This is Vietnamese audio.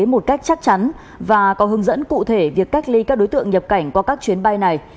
một cách chắc chắn và có hướng dẫn cụ thể việc cách ly các đối tượng nhập cảnh qua các chuyến bay này